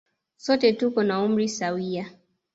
Sote tuko na umri sawia.